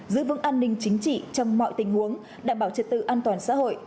giữ vững an ninh chính trị trong mọi tình huống đảm bảo trật tự an toàn xã hội